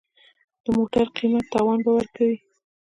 د موټر قیمت تاوان به ورکوې.